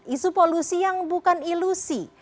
isu polusi yang bukan ilusi